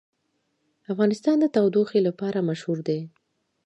افغانستان د تودوخه لپاره مشهور دی.